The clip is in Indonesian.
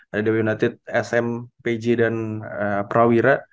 ada united sm pg dan prawira